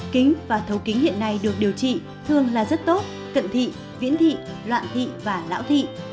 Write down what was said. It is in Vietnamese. kính và thầu kính hiện nay được điều trị thường là rất tốt cận thị viễn thị loạn thị và lão thị